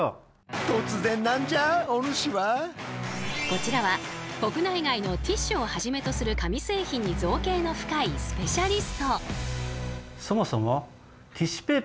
こちらは国内外のティッシュをはじめとする紙製品に造詣の深いスペシャリスト。